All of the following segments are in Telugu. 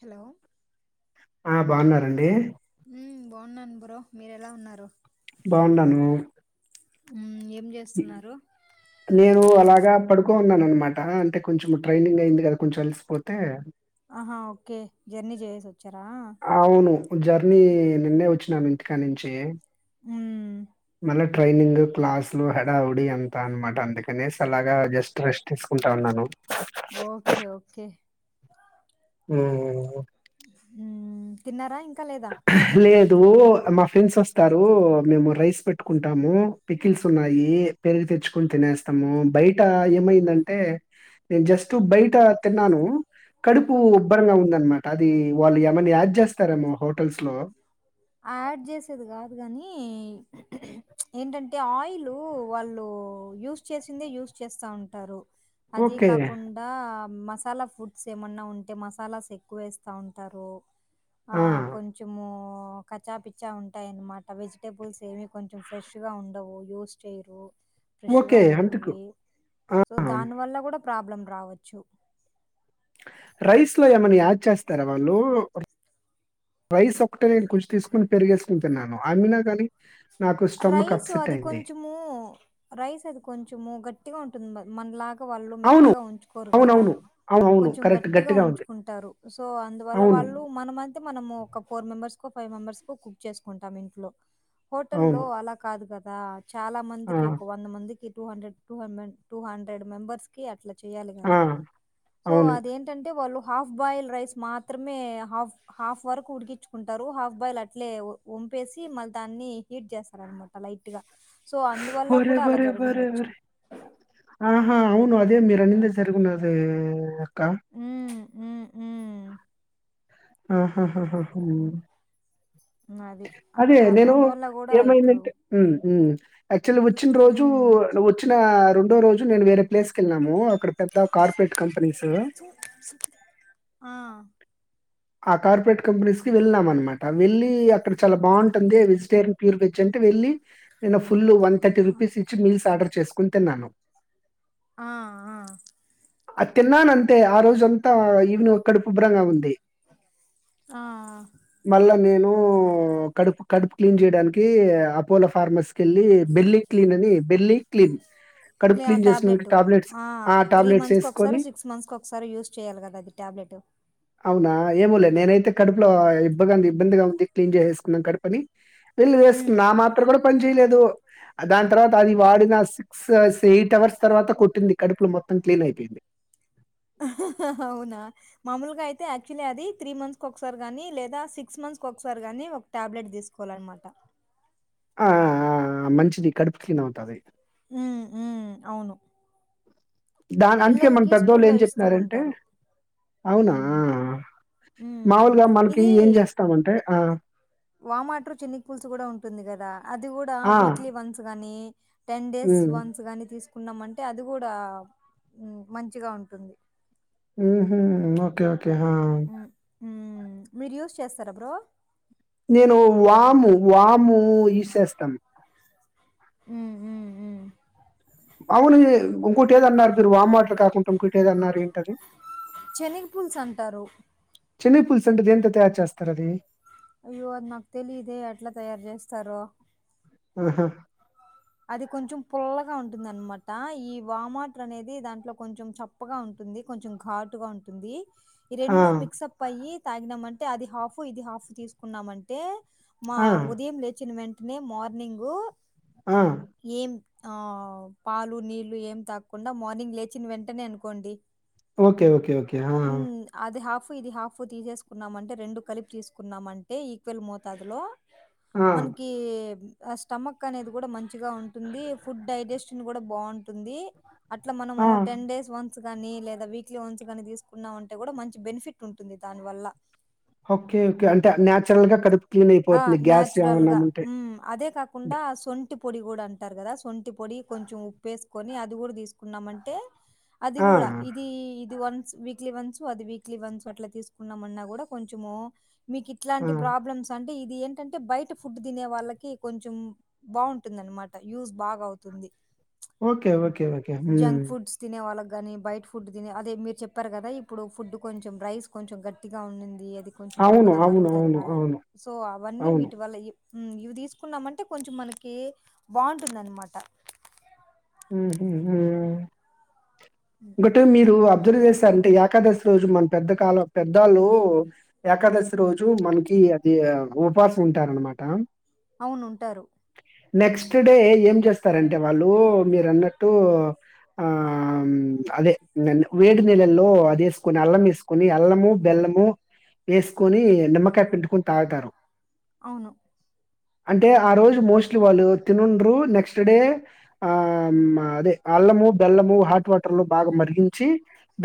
హలొ అ బావున్నారండి ఉమ్ బాగున్నాను బ్రో మీరు ఎలా ఉన్నారు బావున్నాను నువ్ ఉమ్ ఎప్ నేను అలాగ పడుకోని ఉన్నాను అనమాట అంటే కొంచెం ట్రైనింగ్ అయింది కద కొంచెం అలిసిపోతే అహా ఓకే జర్నీ చేసివ ఆవును జర్నీ నిన్నే వచ్చి నామింటికా నించి ఉమ్ మళ ట్రైనింగ్ క్లాసులు హడావుడి ఎంత అనమాట అందుకనే సలాగా జస్ట్ రెస్ట్ తీసుకుంటా ఉన్నాను ఓకే ఓకే ఉవ్ ఉమ్ తిన్నరా లేదు నువ్ మా ఫ్రెండ్స్ వస్తారు మేము రైస్ పెట్టుకుంటాము పికిల్స్ ఉన్నాయి పెరుగి తెచ్చుకని తినేస్తాము బయట ఏమైందంటే నేను జస్ట్ బయట తిన్నాను కడుపూ ఓకే ఉబ్బరంగా ఉందన్నమాట అది వాళ్ళు ఏమైన యాడ్చేస్తారేమో హో టెల్సా లా యాడ్ చేసేది కాదు కాని ఏంటంటే ఆయిల్ వాళ్ళు యూస్ చేసిందే యూస్్ చేస్తా ఉంటారు అది ఓకే. కాకుండా మసాలా ఫుడ్స్ ఏమన్నా ఉంటే మసాలాస్ ఎక్కువ వేస్త ఉంటారు ఆ కొంచము కచా పిచ్చా ఉంటాయన్నమాట. వెజిటేబుల్స్ ఏమి కొంచెం ఫ్రెష్గా ఉండవు. యూస్ చేయరు. ఫ్రెష్ గా ఓకే. అందుకు ఉండేటివి ఆ! సో దాని వల్ల కూడా ప్రాబ్లం రావచ్చు రైస్ లో ఎమని ఆచ వచ్చేస్తారా వాళ్ళు రైస్ ఒకటే నేను కొంచెం తీసుకొని పెరిగేసుకు తిన్నాను అమ్మిన కాని రైస్ అది కొంచమూ రైస్ అది కొంచమో గట్టిగా ఉంట మనలా వాళ్ళు అవును. మెత్తగా ఉంచుకోరు కదా. అవునవును. అవునవును. కొంచెం కరెక్ట్. గట్టిగా ఉంది. ఉంచుకుంటారు. సో అందువల్ల అవును. వాళ్ళు మనమంత మనము ఒక ఫైవ్ మెంబర్స్ ఒక ఫైవ్ మెంబర్స్ కి కుక్ చేసుకుంటాం ఇంట్లో లో అవును. అలా కాదు కదా రా చాలా ఆ! మందికి ఒక వంద మందికి two hundred two hundred two hundred members కి అట్ల చెయ్యాలి ఆ! కదా సో అవును. అదేంటంటే వాళ్ళు హాఫ్ బాయిల్ రైస్ మాత్రమే, హాఫ్ హాఫ్ వరకు ఉడికించుకుంటారు. హాఫ్ బాయిల్ అట్లే వంపేసి మళ్ళీ దాన్ని హీట్ చేస్తారనమాట లైట్గా వరే వరే వరే వరే ఆహా అవును అదే మీరు అన్నిందే జరిగన్నది క్క ఉ ఉ ఆహా ఆహాహో అది. అట్ అదే అన్ నేను అందువల్ల గూడా ఇప్పుడు ఏమైందంటే ఉ ఉ అద్ చల్ వచ్చిన రోజు హ్మ్. వచ్చిన రెం టు రోజు నేను వేరేప్లేస్ కి వెళ్ళినాము అక్కడ పెద్ద కార్పొరేట్ కంపెనీసు ఆ! ఆ కార్పొరేట్ కంపెనీస్ కి వెళ్ళాం అనమాట. వెళ్ళి అక్కడ చాలా బాగుంటుంది. వెజిటేరియన్ ప్యూర్ వెజ్ అంటే వెళ్ళి, నిన్న ఫుల్ వన్ థర్టీ రూపీస్ ఇచ్చి మీల్స్ ఆర్డర్ చేసుకొని తిన్నాను ఆ ఆ అది తిన్నాను అంతే ఆ రోజ అంతా ఈవినింగ్ కడుపు ఉబ్బరంగా ఉంది ఆ! మళ్ళ నేను కడుపు కడుపు క్లీన్ చేయడానికి అపోలో ఫార్మర్స్ కి వెళ్ళి బెల్లి క్లీన్ అని బెల్లి క్లీన్ కడుపు ట్లే ఆ క్లీన్ చేసినందుకు టాబ్లెటు టాబ్లెట్స్ ఆ త్రీ టాబ్లెట్స్ మంత్స్ కి ఏసుకొని ఒకసారి సిక్స్ మంత్స్ కు ఒకసారి యూస్ చేయాలి కదా అది టాబ్లెటు అవునా ఏమోలే నేనైతే కడుపులో ఇబ్బగా ఇబ్బందిగా ఉంది క్లీన్ చేసేసుకున్నాను కడుపని వెళ్ళు వేసుకున్నా హ్మ్. ఆ మాత్ర కూడా పని చేయలేదు ఆ దాని తర్వాత అది వాడిన సిక్స్ ఎయిట్ అవర్స్ తర్వాత కొట్టింది కడుపులో మొత్తం క్లీన్ అయిపోయింది అవునా మామూలుగా అయితే యాక్చువల్లీ అది త్రీ మంత్స్ ఒకసారి నీ లేదా సిక్స్ మంత్స్ కి ఒకసారి గాని ఒక టాబ్లెట్ తీసుకోవాల అన్నమాట ఆ ఆ ఆ మంచిది కడుపు క్లీన్ అవుతాది హ్మ్ హ్మ్ అవును దాని అందుకే మన పిల్లలకి పెద్దోళ్ళు స్కూల్లో ఏం ఇస్తూ చెప్పినారంటే ఉంటారు. అవునా హ్మ్. హ్మ్. మామూలుగా మనకి ఏం చేస్తామంటే ఆ వామ్ వాటర్ చిన్ని పుల్సు కూడా ఉంటుంది కదా అది కూడా ఆ! వీక్లీ వన్స్ గాని టెన్ డేస్ హ్మ్. వన్స్ గానీ తీసు కున్నామంటే అది కూడా ఉ మంచిగా ఉంటుంది హ్మ్ హు ఓకే కే హా హ్మ్. హ్మ్ మీరు యుజ్ చేస్తారా బ్రో నేను వాము వాము ఈసేస్తాం హ్మ్ హ్మ్ హ్మ్ అవును ఇంకోటి ఏదన్నారు మీరు వామ్ వాటర్ కాకుండా ఇంకోటి ఏదన్నారు ఏంటది చెనిగు పుల్స్ అంటారు చెనిగి పుల్స్ అంటే దేనితో తయారు చేస్తారు అది అయ్యో అది నాకు తెలిదే ఎట్లా తయారు చేస్తారో ఆహా అది కొంచెం పుల్లగా ఉంటుంది అన్నమాట ఈ వామ్ వాటర్ అనేది దాంట్లో కొంచెం చప్పగా ఉంటుంది కొంచం ఘాటుగా ఉంటుంది ఈ ఆ! రెండు మిక్స్ప్ మిక్స్అప్ అయ్యి తాగినమన్ అంటే అది హాఫ్ ఇది హాఫ్ తీసుకున్నామంటే మా ఆ! ఉదయం లేచిన వెన్ నె మార్నింగు ఆ! ఏమ్ ఆ పాలు నీళ్లు ఏం తాక్కుండ మార్నింగ్ లేచిన వెంటనే అనుకోండి ఓకె ఓకె ఓకె ఆ ఉమ్, అది హాఫ్ ఇది హాఫ్ తీసేసుకున్నామంటె రెండు కలిపి తీసుకున్నామంటె ఈక్వెల్ మోతాదులో ఆ! మనకీ ఆ స్టమక్ అనేదు కూడ మన్ చిగా ఉంటుంది ఫుడ్ డైజెస్ట్ న్ కూడ బాంటుంది అట్ల మనము ఆ! టెన్ డేస్ వన్ న్స్ గానీ లేదా వీక్లీ వన్స్ గాని తీసుకున్నా మం టే కూడా మంచి బెన్ఫిట్ ఉంటుంది దాని వల్ల ఓకే ఓకే అంటే అద్ న్యాచ్రల్ గ కదుపు ఆ న్యాచురల్ గ ఉమ్ అదే డ కాకుండా ఆ సొంట్ సొంటి పొడి కూడ అంటారు కద సొంటి పొడి కొంచెం ఉప్పేసుకొని అది కూడ తీసుకున్నామంటే అది ఆ! కూడ ఇదీ ఇది వన్స్ వీక్లీ వన్స్ అది వీక్లీ వన్స్ అట్ల తీసుకున్నామన్నా కూడా కొంచమూ ఆ! మీకిట్లాంటి ప్రాబ్లమ్స్ అంటె ఇది ఏంటంటే బయట ఫుడ్ తినె వాళ్ళకి కొంచెం బావుంటుందన్నామాట యూజ్ బాగా అవుతుంది ఓకె ఓకె ఓకె ఉమ్ గాని బైట్ ఫుడ్ తినె అది మీరు చెప్పారు కద ఇప్పుడు ఫుడ్ కొంచెం రైస్ కొంచెం గట్టిగా ఉ నిన్ది అన్ ది కొంచెం ఎందుకొ అవును. నాకు అవును. అరుగుదల అవును. కాలేదు అవును. సొ అవన్నీ అవును. వీటి వల్ల ఇ ఇవి తీసుకున్నమంటే కొంచెం మనకీ బావుంటుందన్నామాట ఉమ్ ఉమ్ ఉమ్మ్ హ్మ్. ఒకటే మీరు హ్మ్. ఆబ్సెరవ్ చేసారంటే యాక్ ఏకాదశ్ రోజు మన పెద్ద కాలం పెద్దోళ్ళు ఏకాదశి రోజు మన కి అది ఉపాసం ఉంటారన్మాట అవునుంటారు నెక్స్ట్ డే ఏం చేస్తారంటె వాళ్ళు మీరన్నట్టూ ఆ అదె నిన్ వేడి నీళ్ళల్లో అదేస్కొని అల్లం వేస్ కొని అల్లము బెల్లము ఏస్కొని నిమ్మకాయ పిండుకొని తాగుతారు అవును అంటే ఆ రోజు మోస్ట్లీ వాళ్ళు తినుండ్రు నెక్స్ట్ డే ఆ మ్ అదె అల్లము బెల్లము హాట్ వాటర్ టర్ లో బాగా మరిగించి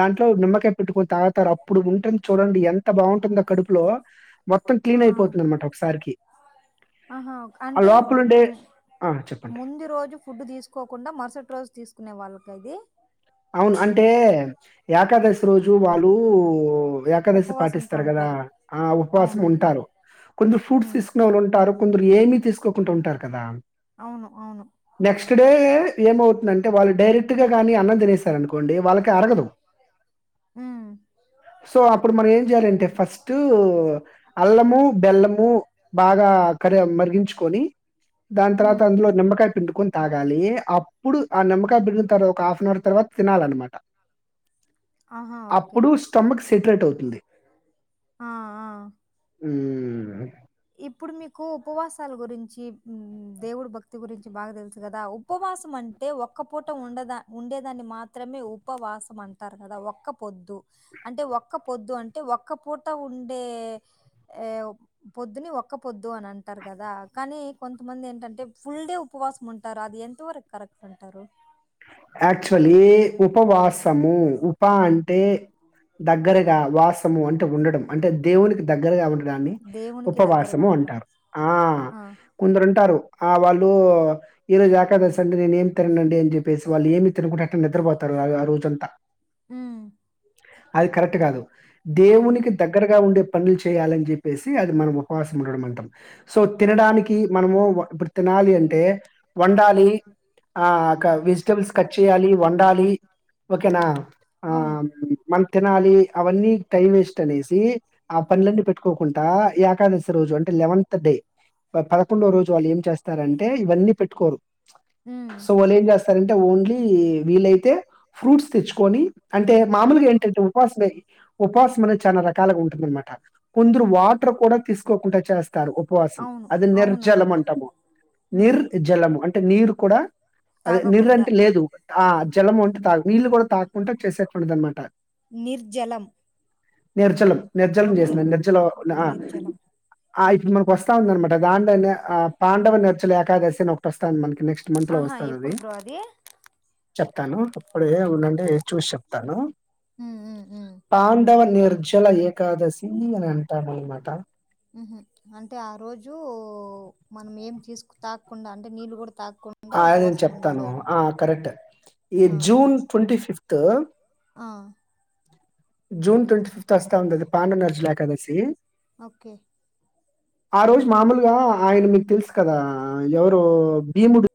దాంట్లో నిమ్మకాయ పిండుకొని తాగ్తారు అప్పుడు ఉంటుంది చూడండి ఎంత బావుంటుందో కడుపులో మొత్తం ఆ! క్లీన్ అయిపోతుంది అన్మాట ఒక్క సారికి ఆహా అంటే ఆ! చెప్పండి. ముందు రోజు ఫుడ్ తీసుకోకుండా మర్సటి రోజ్ తీసుకో కునే వాళ్ళక ఇది అవును అంటే ఏకాదశి రోజు వాళ్ళు ఏకాదశి ఉపవాసంతో పాటిస్తారు కదా ఉంటారు. ఆ ఉపవాసం అవును. ఉంటారు కొంచెం ఫ్రూట్స్ హ్మ్. తీసుకునే వాళ్ళు ఉంటారు కొందరు ఏమీ తీసుకోకుండా ఉంటారు కదా అవును. అవును. నెక్స్ట్ డే ఏమవుతుందంటే వాళు డైరెక్ట్ గానీ అన్నం తినస్తారు స అనుకోండి వాళ్ళకి అరగదు హ్మ్. సో అప్పుడు మరి యలంటే ఫస్ట్ అల్లము బెల్లము బాగా క మరిగించుకొని దాని తర్వాత హ్మ్. అందులో నిమ్మకాయ పిండుకు తాగాలి అప్పుడు ఆ నిమ్మకాయ పిండుగుతారు ఒక హాఫ్ అన్ అవర్ తర్వాత తనాాలన్నమాట ఆహా! ఓకే. అప్పుడు స్టమక్ సెటరేట్ అవుతుంది ఆ ఆ ఉమ్ ఇప్పుడు మీకు ఉపవాసాల గురించి దేవుడు భక్తి గురించి బాగా తెలుసు కదా. ఉపవాసం అంటే ఒక్క పూట ఉండదా ఉండేదాన్ని మాత్రమే ఉపవాసం అంటారు కదా ఒక్క పొద్దు అంటే ఒక్క పొద్దు అంటే ఒక్క పూట ఉండే పొద్దుని ఒక్క పొద్దు అని అంటారు కదా కానీ కొంతమంది ఏంటంటే ఫుల్ డే ఉపవాసం ఉంటారు అది ఎంతవరకు కరెక్ట్ అంటారు యాక్చువలీ ఉపవాస్ సమూ ఉ ప్ప అంటే దగ్గరగా వాసము అంటే ఉండడం అంటే దేవునికి దగ్గరగా ఉ దాన్ని దేవునికి దగ్గరగా ఉపవాసము ఉండడం. అంటారు ఆ కొందరుంటారు ఆ వాళ్ళు ఈరోజు ఏకాదశి అండి నేనేం తిననండి అని చెప్ ప్పేసి వాళ్ళు ఏమి తినకుంట అట్ట నిద్రపోతారు ఆ రోజంతా ఉమ్ అది కరెక్ట్ కాదు దేవునికి దగ్గరగా ఉండే పనులు చేయాలని చెప్పేసి అది మనం ఉపవాసం ఉండడం అంటాం సో ఓకే. తినడానికి మనము తినాలి అంటే వండాలి ఆ క వెజ్ టెబుల్స్ కట్ చేయాలి వండాలి ఓకేనా ఆ అవును. మల్లి తినాలి అవన్నీ టైం వేస్ట్ అనేసి ఆ పనులన్నీ పెట్టుకోకుంటా ఏకాదశి రోజు అంటే లెవెంత్ డే పదకొండో రోజు వాళ్ళు ఏం చేస్తారంటే ఇవన్నీ పెట్టుకోరు హ్మ్. సో వాలేంచేస్ తరంటే ఓన్లీ వీలైతే ఫ్రూట్స్ తెచ్చుకొని అంటే మామూలుగా ఏంటంటే ఉపపాసమే ఉపపావాసం అనేది చాలా రకాలుగా ఉంటుందనమాట కొందరు హ్మ్. వాటర్ కూడా తీస్ కోకుంట చేస్ తారు ఉపవాసం అవును. అది అవును. నిర్జలం అంటాము ఉమ్ నిర్ జలము అంట్ టె నీరు కూడా అదే తాగకుండా నిర్రంటే లేదు ఆ జలం ఉంటది నీళ్ళు కూడా తాకుంటొచ్చేస [unintelligible] నిర్జలం నేర్చెలం నిర్జలం ఓకే చేసిందండి నిర్జలోనా నిర్జలం ఆ ఇప్పుడు మనకొస్తా ఉందనమాట దాంట్లోనే ఆ పాండవ నర్చలు ఏకాదశి అని ఒకటి వస్తాంది మనకి నెక్స్ట్ మంత్ లో వస్తాదది ది చెప్తాను అప్పుడు ఏ ఉండండి ఏ చూసి చెప్తాను. ఉమ్ ఉమ్ ఉమ్ ఆన్ రెండవ నిర్జల ఏకాదశి అని అంటారన్న మాట ఉహు అంటే ఆ రోజు మనం ఏం తీసుకు తాకుండా అంటే నీళ్ళ కూడా తాకు అ నేను చెప్తాను ఆ కరెక్ట్ ఈ జూన్ ట్వంటీ ఫిఫ్త్ త్ ఆహ్ జూన్ ట్వంటి ఫిఫ్త్ వస్తా ఉండేది. పాండుండు అర్జ ఏకదాసి ఓకే ఆ రోజు మామూలుగా ఆయన మీకు తెలుసు కదా ఎవరు భీముడు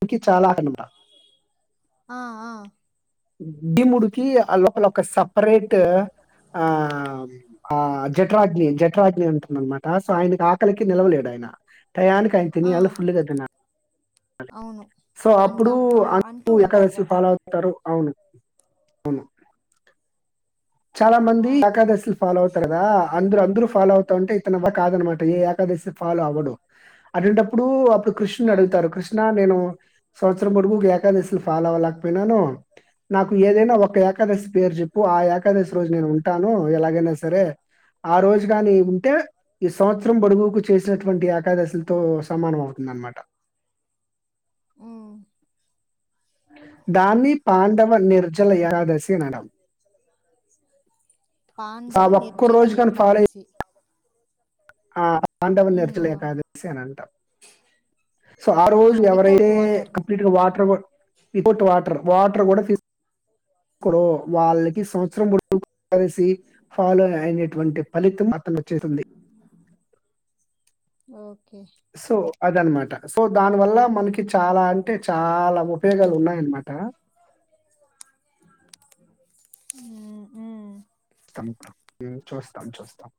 నికి చాలా అబిమ ఆ ఆ డిముడికి ఆ లోపల ఒక సపరేట్ ఆ ఆ జఠ్రాగ్ని, జఠ్రాగ్ని అంటం అనమాట. సో ఆయనకి ఆకలికి నిలవలేడు ఆయన టయానికయిన తిని ఆ వాళ్ళు ఫుల్గా తిన్నాలి. అవును సో అప్పుడు అంటాం ఆ అంటూ అందు ఎక్కడ ఉంటారు కదా ఫాలో అవుతారు. అవును అవును చాలా మంది ఆ ఏకాదశిలు ఫాలో అవుతారు కదా అందరు అందరూ ఫాలో అవుతాంటే ఇతన్ వల్ల కాదనమాట. ఏ ఏకాదశి ఫాలో అవ్వడు అటంటప్పుడు. కృష్ణుని ఆ అడుగుతారు కృష్ణ నేను సంవత్సరం పోడుగు ఏకాదశిలు ఫాలో అవ్వలేకపోయినాను నాకు ఏదైనా ఒక ఏకాదశి పేరు చెప్పు ఆ ఏకా దశి రోజు నేను ఉంటాను ఎలాగేనా సరే ఆ రోజు గాని ఉంటే. ఈ సంవత్సరం పోడుగుకు చేసినటువంటి ఏకాదశులతో సమానం అవుతుంద నమాట. ఉమ్ దాన్ని పాండవ నిర్జల ఏకాదశి సినడం స పాండవ ఒక్క నిర్జల రోజు కాని ఫాలో అయ్ ఏకాదశి ఆహ్ పాండవులు ఉమ్ నేర్చలే ఏకాదసి అని అంటాం. సో ఆ రోజు వితౌట్ ఎవరైతే వాటర్ కంప్లీట్ గా వాటర్ కూడా వితౌట్ వాటర్, వాటర్ కూడా తీసు కోరో వాళ్ళకి సంవత్సరం పొడుగు ఏకాదశి ఫాలో అయినటువంటి ఫలితం అతం వచ్చేసింది. ఓకే అద అనమాట సో దాని వల్ల మనకి చాలా అంటే చాలా ఉపయోగాలు ఉన్నాయన్నమాట. ఉహ్మ్ హు తం ఇప్పుడు చూస్తాం చూస్తాం